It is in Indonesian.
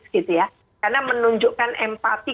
karena menunjukkan empati